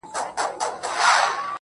ژړا، سلگۍ زما د ژوند د تسلسل نښه ده~